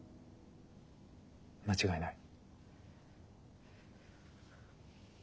間違いない。